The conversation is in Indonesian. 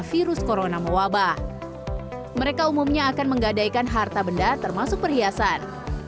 virus corona mewabah mereka umumnya akan menggadaikan harta benda termasuk perhiasan